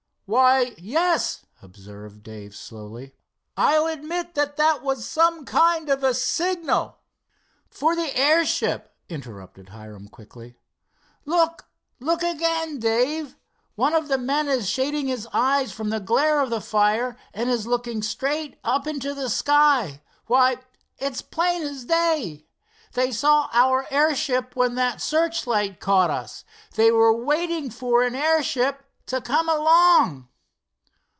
"Why, yes," observed Dave slowly. "I'll admit that was some kind of a signal." "For the airship," interrupted Hiram quickly. "Look, look again, Dave! One of the men is shading his eyes from the glare of the fire, and is looking straight up into the sky. Why, it's plain as day. They saw our airship when that searchlight caught us. They were waiting for an airship to come along."